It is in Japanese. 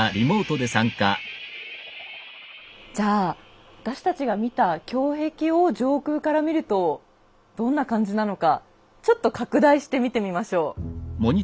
じゃあ私たちが見た胸壁を上空から見るとどんな感じなのかちょっと拡大して見てみましょう。